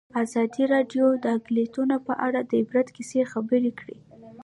ازادي راډیو د اقلیتونه په اړه د عبرت کیسې خبر کړي.